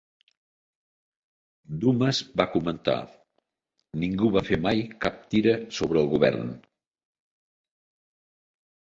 Dumas va comentar: "Ningú va fer mai cap tira sobre el govern".